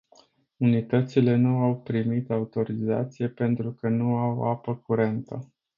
Unitățile nu au primit autorizație pentru că nu au apă curentă.